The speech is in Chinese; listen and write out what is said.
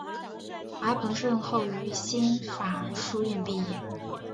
而彭顺后于新法书院毕业。